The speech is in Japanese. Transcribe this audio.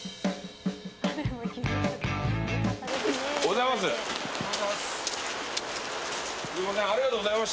おはようございます。